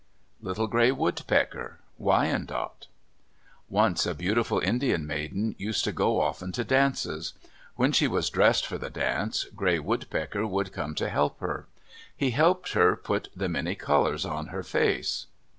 LITTLE GRAY WOODPECKER Wyandot Once a beautiful Indian maiden used to go often to dances. When she was dressing for the dance, Gray Woodpecker would come to help her. He helped her put the many colors on her face.